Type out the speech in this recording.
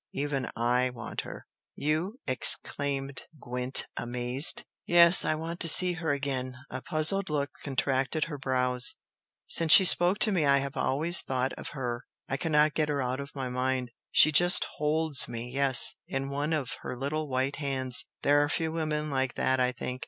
Even I want her!" "You?" exclaimed Gwent, amazed. "Yes! I want to see her again!" A puzzled look contracted her brows. "Since she spoke to me I have always thought of her, I cannot get her out of my mind! She just HOLDS me yes! in one of her little white hands! There are few women like that I think!